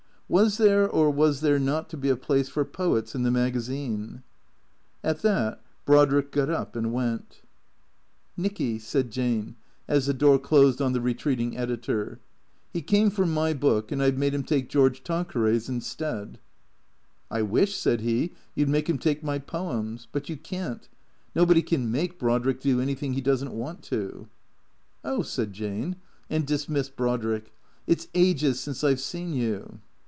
" Was there, or was there not to be a place for poets in the magazine ?" At that Brodrick got up and went. 150 THE CEEATOES "Nicky/' said Jane, as the door closed on the retreating editor, " he came for my book, and I 've made him take George Tanqueray's instead." " I wish," said he, " 3^011 'd make him take my poems. But you can't. Nobody can make Brodrick do anything he does n't want to." " Oh " said Jane, and dismissed Brodrick. " It 's ages since I 've seen you."